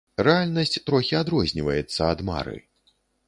Рэальнасць трохі адрозніваецца ад мары.